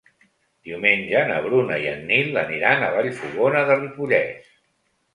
Diumenge na Bruna i en Nil aniran a Vallfogona de Ripollès.